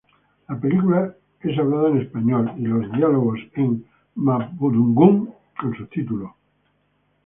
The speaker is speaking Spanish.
La película es hablada en español y diálogos en mapudungún con subtítulos en español.